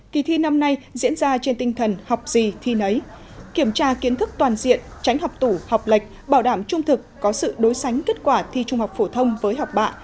kỳ thi năm nay diễn ra trên tinh thần học gì thi nấy kiểm tra kiến thức toàn diện tránh học tủ học lệch bảo đảm trung thực có sự đối sánh kết quả thi trung học phổ thông với học bạ